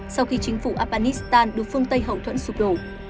sau khi chính phủ afghanistan được phương tây hậu thuẫn sụp đổ